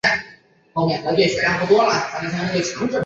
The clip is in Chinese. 链型植物两大类。